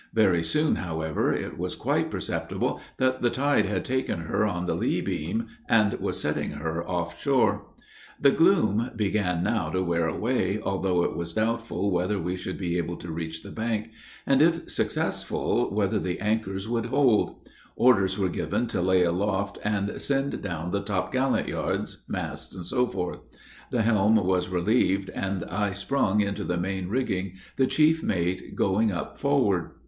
Very soon, however, it was quite perceptible that the tide had taken her on the lee beam, and was setting her off shore. The gloom began now to wear away, although it was doubtful whether we should be able to reach the bank, and, if successful, whether the anchors would hold on. Orders were given to lay aloft and send down the top gallant yards, masts, &c. The helm was relieved, and I sprung into the main rigging, the chief mate going up forward.